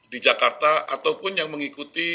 di jakarta ataupun yang mengikuti